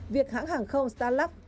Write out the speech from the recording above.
việc hãng hàng không starluck